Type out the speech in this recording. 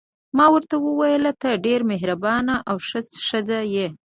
ما ورته وویل: ته ډېره مهربانه او ښه ښځه یې.